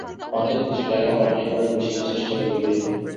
অতএব কিছু টাকা পাঠাইবার বিশেষ চেষ্টা করিবে।